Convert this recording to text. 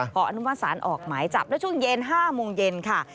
อนุมัติศาลออกหมายจับแล้วช่วงเย็น๕โมงเย็นค่ะ